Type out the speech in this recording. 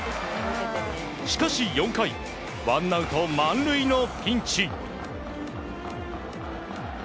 しかし、４回ワンアウト満塁のピンチ。